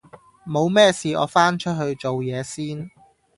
冇咩事我返出去做嘢先